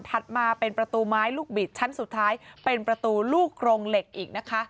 มาเป็นประตูไม้ลูกบิดชั้นสุดท้ายเป็นประตูลูกกรงเหล็กอีกนะคะ